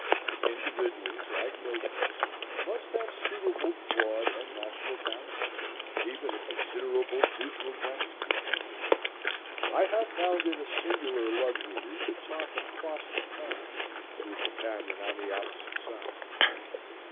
Individuals, like nations, must have suitable broad and natural boundaries, even a considerable neutral ground, between them. I have found it a singular luxury to talk across the pond to a companion on the opposite side.